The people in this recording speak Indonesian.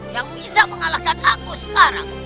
yang bisa mengalahkan aku sekarang